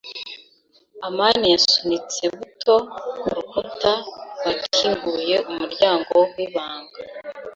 amani yasunitse buto kurukuta rwakinguye umuryango wibanga.